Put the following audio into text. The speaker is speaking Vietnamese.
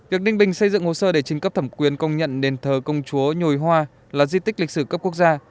việc ninh bình xây dựng hồ sơ để trình cấp thẩm quyền công nhận nền thờ công chúa nhồi hoa là di tích lịch sử cấp quốc gia